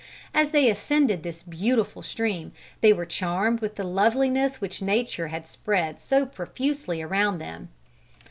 As they ascended this beautiful stream, they were charmed with the loveliness which nature had spread so profusely around them.